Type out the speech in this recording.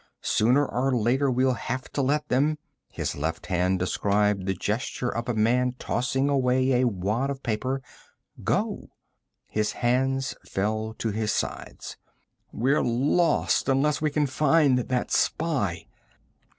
Sooner or later we'll have to let them" his left hand described the gesture of a man tossing away a wad of paper "go." His hands fell to his sides. "We're lost, unless we can find that spy."